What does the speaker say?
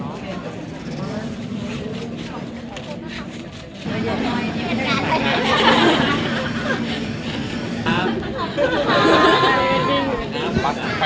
ขอบคุณครับ